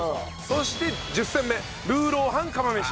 そして１０戦目ルーロー飯釜飯。